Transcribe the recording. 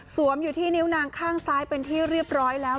อยู่ที่นิ้วนางข้างซ้ายเป็นที่เรียบร้อยแล้ว